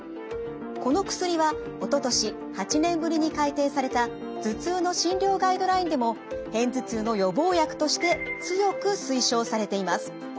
この薬はおととし８年ぶりに改訂された頭痛の診療ガイドラインでも片頭痛の予防薬として強く推奨されています。